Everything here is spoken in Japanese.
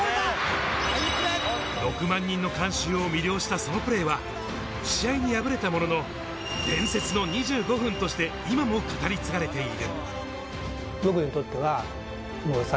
６万人の観衆を魅了したそのプレーは試合に敗れたものの、伝説の２５分として今も語り継がれている。